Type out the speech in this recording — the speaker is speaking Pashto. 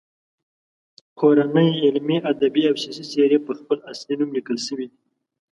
کورنۍ علمي، ادبي او سیاسي څیرې په خپل اصلي نوم لیکل شوي دي.